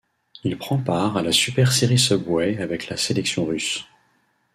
Il prend part à la Super Serie Subway avec la sélection russe.